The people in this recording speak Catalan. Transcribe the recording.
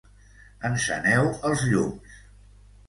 Enceneu els llums!